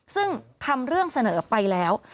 ซึ่งทำเรื่องเสนอไปแล้ว